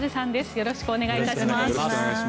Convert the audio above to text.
よろしくお願いします。